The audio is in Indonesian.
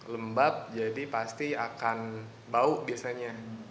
lembab jadi pasti akan bau biasanya